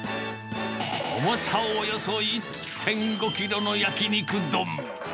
重さおよそ１．５キロの焼き肉丼。